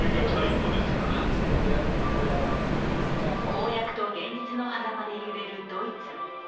公約と現実の狭間で揺れるドイツ。